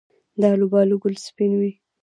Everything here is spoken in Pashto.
د الوبالو ګل سپین وي؟